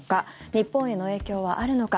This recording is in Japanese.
日本への影響はあるのか。